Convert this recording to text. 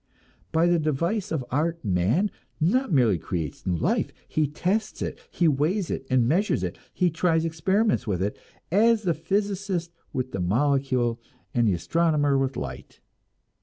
By the device of art man not merely creates new life, he tests it, he weighs it and measures it, he tries experiments with it, as the physicist with the molecule and the astronomer with light.